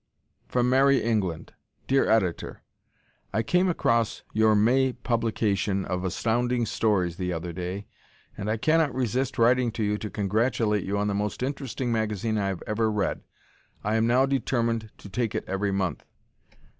From Merrie England Dear Editor: I came across your May publication of Astounding Stories the other day, and I cannot resist writing to you to congratulate you on the most interesting magazine I have ever read. I am now determined to take it every month.